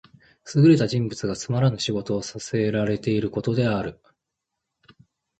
優れた人物がつまらぬ仕事をさせらていることである。「驥、塩車に服す」とも読む。